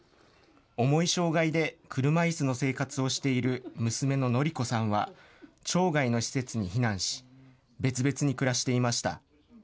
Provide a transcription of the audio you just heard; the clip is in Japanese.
重い障害で車いすの生活をしている娘の典子さんは、町外の施設に避難し、別々に暮らしていました。